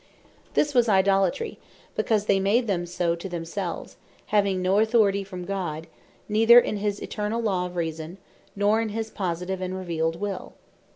This was Idolatry, because they made them so to themselves, having no authority from God, neither in his eternall Law of Reason, nor in his positive and revealed Will.